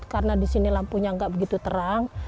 karena di sini lampunya nggak begitu terang